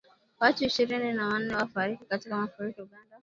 Watu ishirini na wanne wafariki katika mafuriko Uganda.